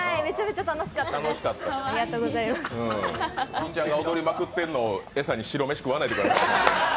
ひぃちゃんさんが踊りまくってるのに白飯食わないでくださいよ。